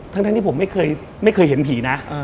ทั้งที่ผมไม่เคยเห็นผีนะ